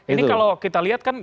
ini kalau kita lihat